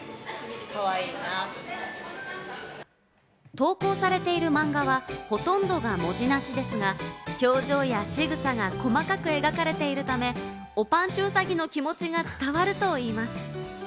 投稿されている漫画はほとんどが文字なしですが、表情やしぐさが細かく描かれているため、おぱんちゅうさぎの気持ちが伝わるといいます。